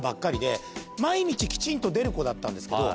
毎日きちんと出る子だったんですけど